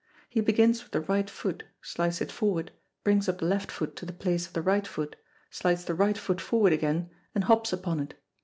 He begins with the right foot, slides it forward, brings up the left foot to the place of the right foot, slides the right foot forward again, and hops upon it.